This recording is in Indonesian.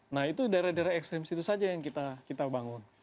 nah itu daerah daerah ekstrim itu saja yang kita bangun